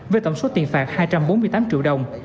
với tổng số tiền phạt hai trăm bốn mươi tám triệu đồng